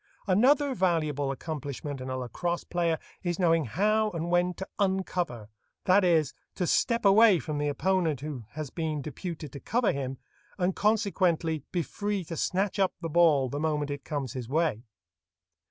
Another valuable accomplishment in a lacrosse player is knowing how and when to "uncover"—that is, to stop away from the opponent who has been deputed to cover him, and consequently be free to snatch up the ball the moment it comes his way.